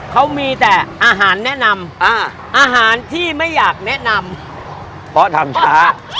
เขามีแต่อาหารแนะนำอ่าอาหารที่ไม่อยากแนะนำเพราะทำช้า